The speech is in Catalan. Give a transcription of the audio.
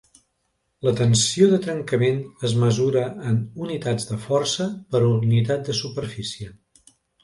La tensió de trencament es mesura en unitats de força per unitat de superfície.